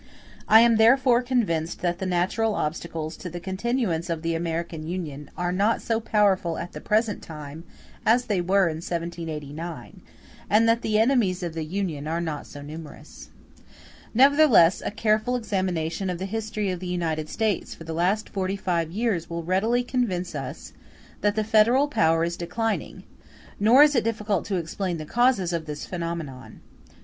I am therefore convinced that the natural obstacles to the continuance of the American Union are not so powerful at the present time as they were in 1789; and that the enemies of the Union are not so numerous. Nevertheless, a careful examination of the history of the United States for the last forty five years will readily convince us that the federal power is declining; nor is it difficult to explain the causes of this phenomenon.